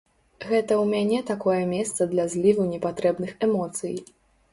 Гэта ў мяне такое месца для зліву непатрэбных эмоцый.